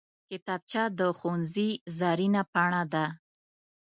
کتابچه د ښوونځي زرینه پاڼه ده